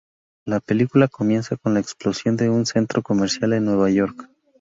La película comienza con la explosión de un centro comercial en Nueva York.